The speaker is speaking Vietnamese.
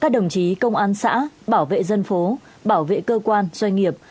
các đồng chí công an xã bảo vệ dân phố bảo vệ cơ quan doanh nghiệp